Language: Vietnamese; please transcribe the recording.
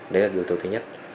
đấy là yếu tố thứ nhất